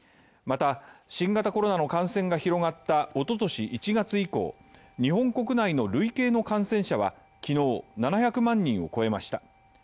また新型コロナの感染が広がったおととし１月以降日本国内の累計の感染者は昨日、７００万人を超えました。